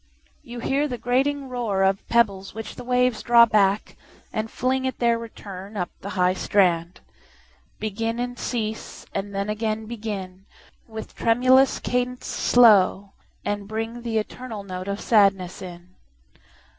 you hear the grating roarOf pebbles which the waves draw back, and fling, At their return, up the high strand, Begin, and cease, and then again begin, With tremulous cadence slow, and bringThe eternal note of sadness in.